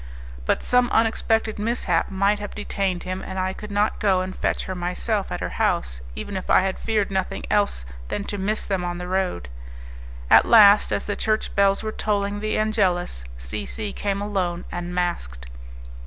But some unexpected mishap might have detained him, and I could not go and fetch her myself at her house, even if I had feared nothing else than to miss them on the road. At last, as the church bells were tolling the Angelus, C C came alone, and masked.